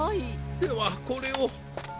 ではこれを。